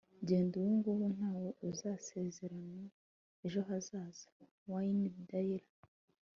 genda ubungubu. ntawe uzasezerana ejo hazaza. - wayne dyer